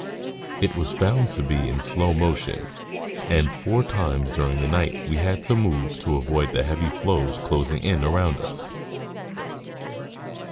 It was found to be in slow motion, and_four times during the night we — had to move to avoid the heavy floes closing in around us.